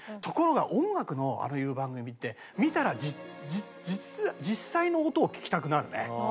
ところが音楽のああいう番組って見たら実際の音を聴きたくなるね。